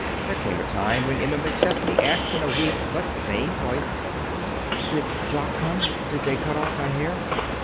There came a time when Emma McChesney asked in a weak but sane voice: "Did Jock come? Did they cut off my hair?"